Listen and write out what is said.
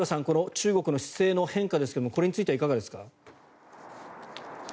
この中国の姿勢の変化ですがこれについてはいかがですか？